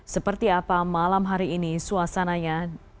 seperti apa malam hari ini suasananya